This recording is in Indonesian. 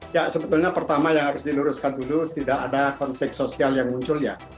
ya sebetulnya pertama yang harus diluruskan dulu tidak ada konflik sosial yang muncul ya